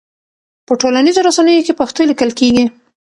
په ټولنيزو رسنيو کې پښتو ليکل کيږي.